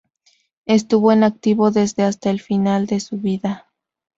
Estuvo en activo desde hasta el final de su vida.